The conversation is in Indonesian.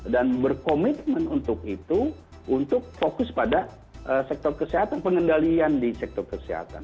dan berkomitmen untuk itu untuk fokus pada sektor kesehatan pengendalian di sektor kesehatan